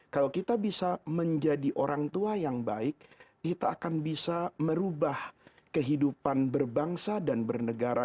kalau kita bisa menjadi orang tua yang baik kita akan bisa merubah kehidupan berbangsa dan bernegara